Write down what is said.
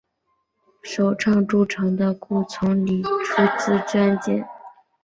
首倡筑城的顾从礼出资捐建。